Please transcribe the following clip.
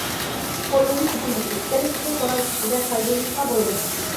قوللىنىش قىممىتى: بىر كىچىك قورال سۈپىتىدە پايدىلىنىشقا بولىدۇ.